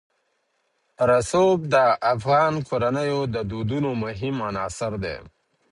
رسوب د افغان کورنیو د دودونو مهم عنصر دی.